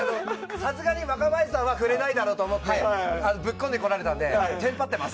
さすがに若林さんは触れないだろうと思ってぶっこんでこられたのでテンパってます。